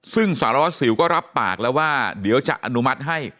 ซึ่งสารวัสสิวก็รับปากแล้วว่าเดี๋ยวจะอนุมัติให้